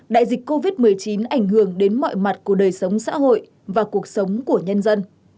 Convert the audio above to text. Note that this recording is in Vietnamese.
đại dịch covid một mươi chín ảnh hưởng đến mọi mặt của đời sống xã hội và cuộc sống của nhân dân